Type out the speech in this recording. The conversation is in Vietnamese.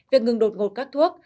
việc ngừng đột ngột các thuốc